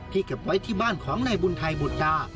เก็บไว้ที่บ้านของนายบุญไทยบุตรดา